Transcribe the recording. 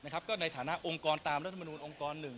ก็ในฐานะองค์กรตามรัฐมนูลองค์กร๑